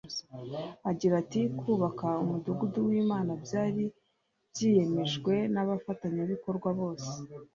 Agira ati “Kubaka Umudugudu w’Uwinyana byari byiyemejwe n’abafatanabikorwa bose